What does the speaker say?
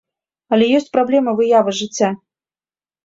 Але ёсць праблема выявы жыцця.